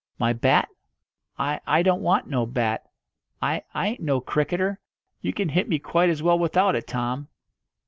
"My bat? I I don't want no bat. I I ain't no cricketer. You can hit me quite as well without it, Tom."